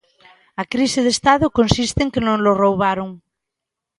A crise de Estado consiste en que nolo roubaron.